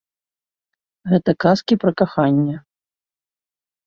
Гэта казкі пра каханне.